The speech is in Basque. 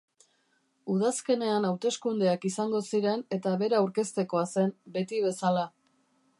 Udazkenean hauteskundeak izango ziren eta bera aurkeztekoa zen, beti bezala.